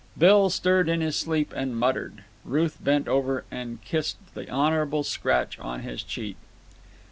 Bill stirred in his sleep and muttered. Ruth bent over him and kissed the honourable scratch on his cheek.